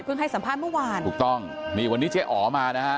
ให้สัมภาษณ์เมื่อวานถูกต้องนี่วันนี้เจ๊อ๋อมานะฮะ